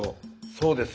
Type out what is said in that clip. そうですね。